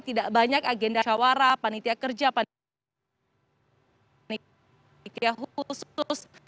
tidak banyak agenda syawara panitia kerja khusus